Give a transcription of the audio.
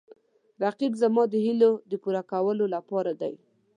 رقیب زما د هیلو د پوره کولو لپاره دی